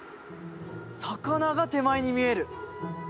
魚が手前に見える！